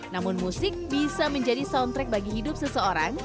namun musik bisa menjadi soundtrack bagi hidup seseorang